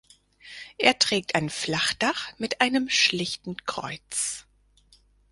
Er trägt ein Flachdach mit einem schlichten Kreuz.